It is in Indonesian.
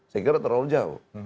saya kira terlalu jauh